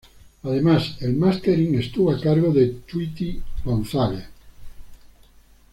Además el mastering estuvo a cargo de Tweety González.